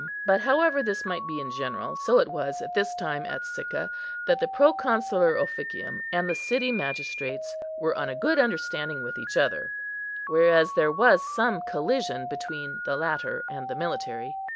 But however this might be in general, so it was at this time at Sicca, that the Proconsular Officium and the city magistrates were on a good understanding with each other, whereas there was some collision between the latter and the military.